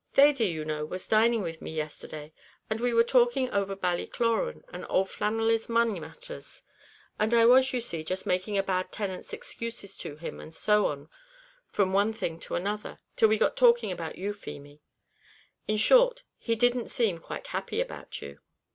"Thady, you know, was dining with me yesterday, and we were talking over Ballycloran and old Flannelly's money matters; and I was, you see, just making a bad tenant's excuses to him, and so on from one thing to another, till we got talking about you, Feemy; in short, he didn't seem quite happy about you."